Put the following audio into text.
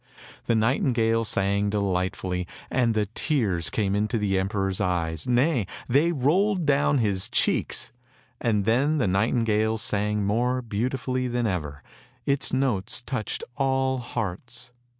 The nightingale sang delightfully, and the tears came into the emperor's eyes, nay, they rolled down his cheeks, and then the nightingale sang more beautifully than ever, its notes touched all hearts.